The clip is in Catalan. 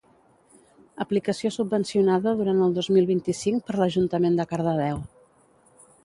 Aplicació subvencionada durant el dos mil vint-i-vinc per l'Ajuntament de Cardedeu